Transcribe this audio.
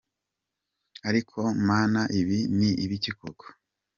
Ariko Mana ibi ni ibiki koko?????.